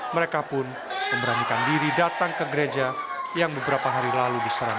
mereka pun memberanikan diri datang ke gereja yang beberapa hari lalu diserang